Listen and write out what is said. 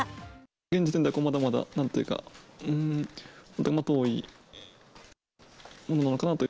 現時点ではまだまだなんというか、とても遠いものなのかなと。